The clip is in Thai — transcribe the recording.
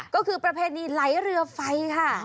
ก็คือประเพณีไหลเรือไฟค่ะ